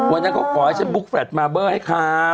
วันนั้นเขาขอให้ฉันบุ๊กแลตมาเบอร์ให้เขา